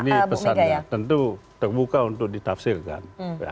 ini pesan tentu terbuka untuk ditafsirkan